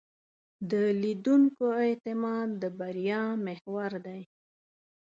د لیدونکو اعتماد د بریا محور دی.